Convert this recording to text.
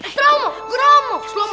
assalamu'alaikum warahmatullahi wabarakatuh